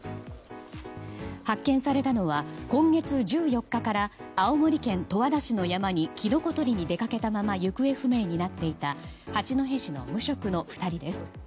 発見されたのは今月１４日から青森県十和田市の山にキノコ採りに出かけたまま行方不明になっていた八戸市の無職の２人です。